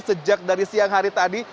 sejak dari siang hari tadi